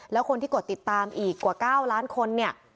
แล้วคนที่กดติดตามอีกกว่า๙ล้านคนเนี่ย